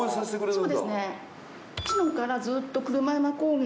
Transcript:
そうですね。